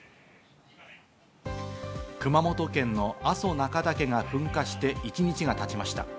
熊本県の阿蘇中岳が噴火して、１日がたちました。